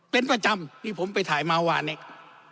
เป็นประจำที่ผมไปถ่ายมาวานเนี่ย